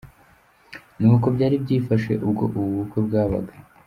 Ni uku byari byifashe ubwo ubu bukwe bwabaga.